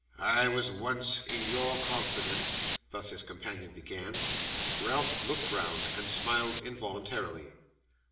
'I was once in your confidence ' thus his companion began. Ralph looked round, and smiled involuntarily.